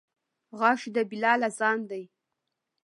غږ د بلال اذان دی